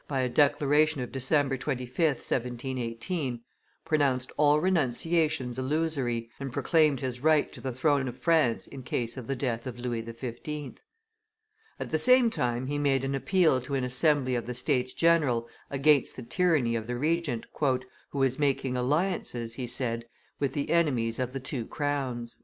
by a declaration of December 25th, 1718, pronounced all renunciations illusory, and proclaimed his right to the throne of France in case of the death of Louis XV. At the same time he made an appeal to an assembly of the States general against the tyranny of the Regent, "who was making alliances," he said, "with the enemies of the two crowns."